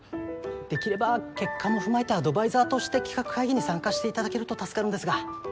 できれば結果も踏まえてアドバイザーとして企画会議に参加していただけると助かるんですが。